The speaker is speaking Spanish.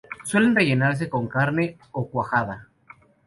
Suelen rellenarse con carne o cuajada.